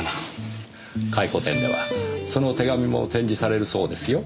回顧展ではその手紙も展示されるそうですよ。